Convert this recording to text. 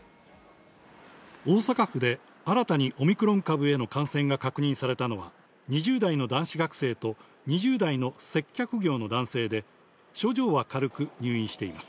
大阪府で新たにオミクロン株への感染が確認されたのは２０代の男子学生と２０代の接客業の男性で症状は軽く入院しています。